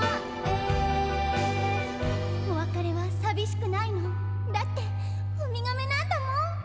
「お別れはサビしくないのだってウミガメなんだもん」